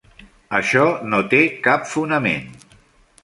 Això no té cap fonament.